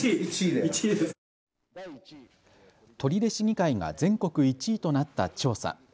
取手市議会が全国１位となった調査。